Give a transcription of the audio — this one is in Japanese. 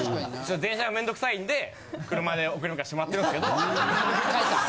電車が面倒くさいんで車で送り迎えしてもらってるんですけど。